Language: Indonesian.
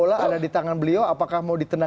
terima kasih pak pras